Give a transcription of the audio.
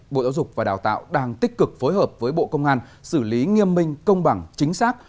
bộ giáo dục và đào tạo đang tích cực phối hợp với bộ công an xử lý nghiêm minh công bằng chính xác